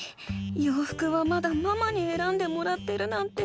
ようふくはまだママにえらんでもらってるなんて。